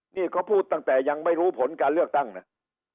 นี่เขาพูดตั้งแต่ยังไม่รู้ผลการเลือกตั้งนะ